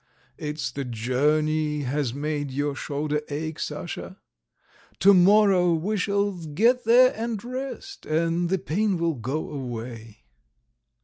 "It's the journey has made your shoulder ache, Sasha. To morrow we shall get there and rest, and the pain will go away.